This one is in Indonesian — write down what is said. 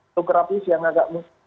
stografis yang agak